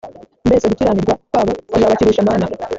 mbese gukiranirwa kwabo kuzabakirisha mana